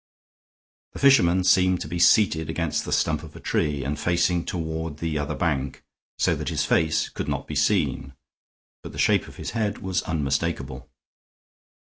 The fisherman seemed to be seated against the stump of a tree and facing toward the other bank, so that his face could not be seen, but the shape of his head was unmistakable.